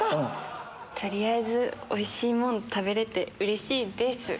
取りあえずおいしいもの食べれてうれしいです！